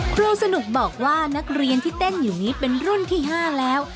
ครูสนุกบอกว่านักเรียนที่เต้นอยู่นี้เป็นรุ่นที่๕แล้ว